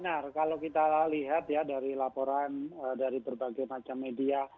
benar kalau kita lihat ya dari laporan dari berbagai macam media